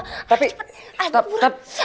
tapi tapi tapi